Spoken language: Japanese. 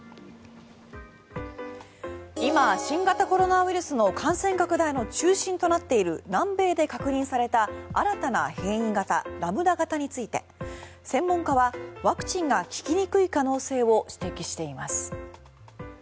今、新型コロナウイルスの感染拡大の中心となっている南米で確認された新たな変異型ラムダ型について専門家はワクチンが効きにくい可能性を指摘しています。